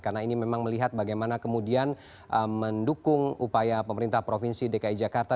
karena ini memang melihat bagaimana kemudian mendukung upaya pemerintah provinsi dki jakarta